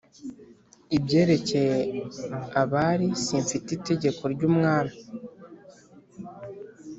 Ibyerekeye abari simfite itegeko ry umwami